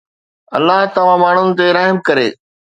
الله توهان ماڻهن تي رحم ڪري